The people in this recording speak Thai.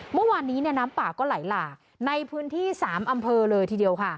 เมื่อวานนี้น้ำป่าก็ไหลหลากในพื้นที่๓อำเภอเลยทีเดียวค่ะ